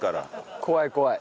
怖い怖い。